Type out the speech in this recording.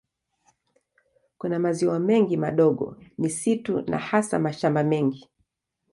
Kuna maziwa mengi madogo, misitu na hasa mashamba mengi.